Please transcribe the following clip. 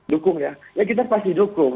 dukung ya ya kita pasti dukung